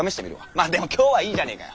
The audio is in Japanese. まあでも今日はいいじゃねーかよ。